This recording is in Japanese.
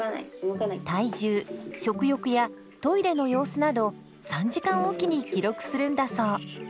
体重食欲やトイレの様子など３時間置きに記録するんだそう。